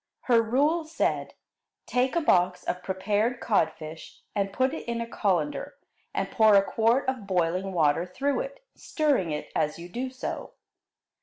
Her rule said: Take a box of prepared codfish and put it in a colander and pour a quart of boiling water through it, stirring it as you do so.